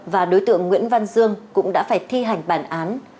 và đối tượng nguyễn văn dương cũng đã phải thi hành bản án